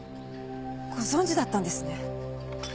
ご存じだったんですね。